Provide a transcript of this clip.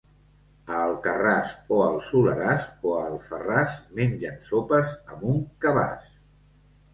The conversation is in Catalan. A Alcarràs o al Soleràs, o a Alfarràs mengen sopes amb un cabàs.